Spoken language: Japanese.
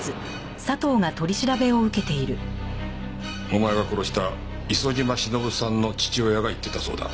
お前が殺した磯島忍さんの父親が言ってたそうだ。